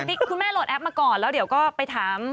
คุณแม่โหลดแอปมาก่อนแล้วเดี๋ยวก็ไปถาม